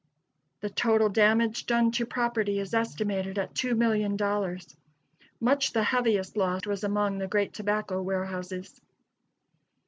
The total damage done to property is estimated at $2,000,000. Much the heaviest loss was among the great tobacco warehouses.